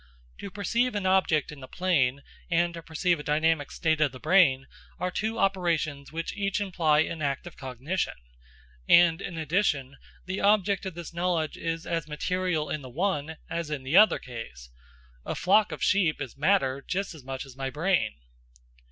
To perceive an object in the plain and to perceive a dynamic state of the brain are two operations which each imply an act of cognition; and, in addition, the object of this knowledge is as material in the one as in the other case. A flock of sheep is matter just as much as my brain.